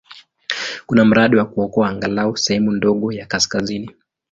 Kuna mradi wa kuokoa angalau sehemu ndogo ya kaskazini.